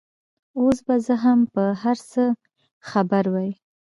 اوس به زه هم په هر څه خبره وای.